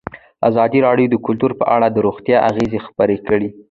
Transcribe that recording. ازادي راډیو د کلتور په اړه د روغتیایي اغېزو خبره کړې.